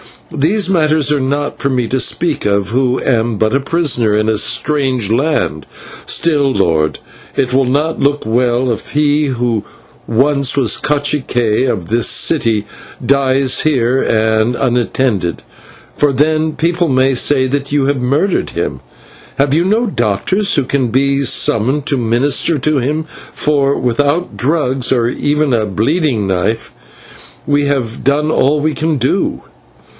These matters are not for me to speak of, who am but a prisoner in a strange land; still, lord, it will not look well if he who once was /cacique/ of this city dies here and unattended, for then people may say that you have murdered him. Have you no doctors who can be summoned to minister to him, for, without drugs, or even a bleeding knife, we have done all we can do."